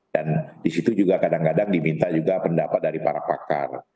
dan di situ juga kadang kadang diminta juga pendapat dari para pakar